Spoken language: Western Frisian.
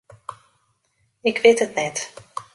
Ik wit it net.